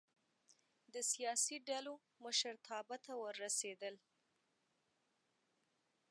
د سیاسي ډلو مشرتابه ته ورسېدل.